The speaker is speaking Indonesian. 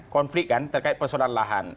konflik kan terkait persoalan lahan